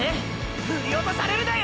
ふりおとされるなよ！！